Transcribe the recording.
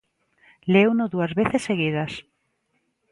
Léuno dúas veces seguidas.